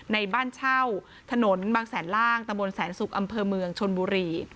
ในบ้านเช่าถนนบางแสนล่างตะบนแสนสุกอำเภอเมืองชนบุรี